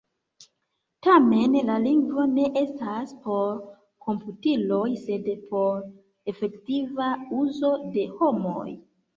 Tamen, la lingvo ne estas por komputiloj sed por efektiva uzo de homoj.